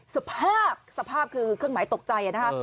สภาพสภาพคือเครื่องหมายตกใจนะคะ